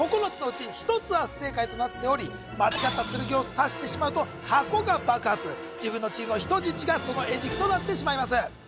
９つのうち１つは不正解となっており間違った剣を刺してしまうと箱が爆発自分のチームの人質がその餌食となってしまいます